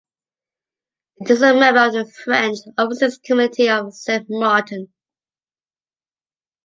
It is a member of the French overseas community of St. Martin.